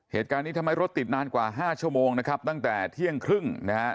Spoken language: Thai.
เหตุการณ์นี้ทำให้รถติดนานกว่าห้าชั่วโมงนะครับตั้งแต่เที่ยงครึ่งนะฮะ